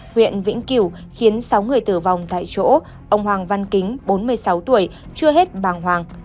huyện vĩnh cửu khiến sáu người tử vong tại chỗ ông hoàng văn kính bốn mươi sáu tuổi chưa hết bàng hoàng